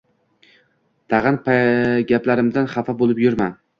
Tagʻin gaplarimdan xafa boʻlib yurma!